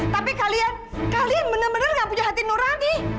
tapi kalian kalian benar benar gak punya hati nurani